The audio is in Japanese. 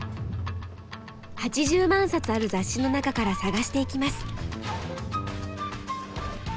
８０万冊ある雑誌の中から探していきます。